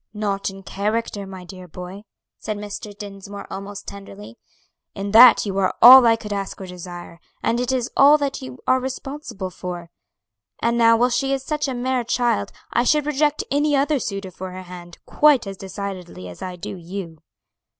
"Not in character, my dear boy," said Mr. Dinsmore, almost tenderly; "in that you are all I could ask or desire, and it is all that you are responsible for. And now while she is such a mere child, I should reject any other suitor for her hand, quite as decidedly as I do you."